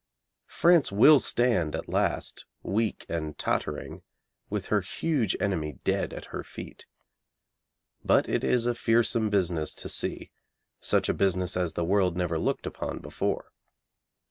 France will stand at last, weak and tottering, with her huge enemy dead at her feet. But it is a fearsome business to see such a business as the world never looked upon before.